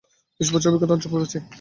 বিশ বছরের অভিজ্ঞতা অর্জন করেছি।